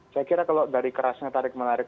saya kira kalau dari kerasnya tarik menarik